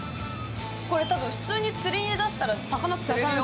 これ多分普通に釣りに出したら魚釣れるよ。